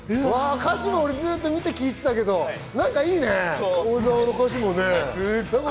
歌詞もずっと見て聞いてたけど、なんかいいね、小沢の歌詞もね。